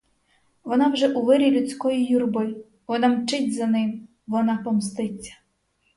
Вона вже у вирі людської юрби, вона мчить за ним, вона помститься.